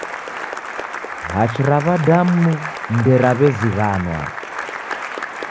Hachi ra w'adamu nderaw'iazighanwa.